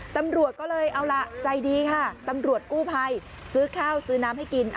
ตำรวจก็เลยเอาล่ะใจดีค่ะตำรวจกู้ภัยซื้อข้าวซื้อน้ำให้กิน